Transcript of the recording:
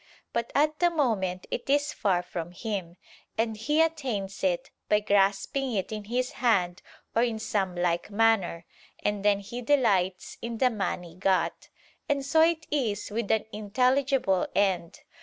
But at the moment it is far from him; and he attains it, by grasping it in his hand, or in some like manner; and then he delights in the money got. And so it is with an intelligible end.